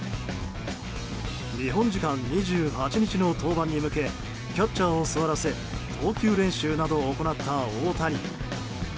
日本時間２８日の登板に向けキャッチャーを座らせ投球練習などを行った大谷。